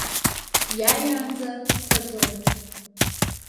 Иааиаанӡа сцаӡом.